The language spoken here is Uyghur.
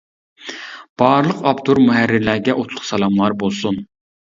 بارلىق ئاپتور مۇھەررىرلەرگە ئوتلۇق سالاملار بولسۇن!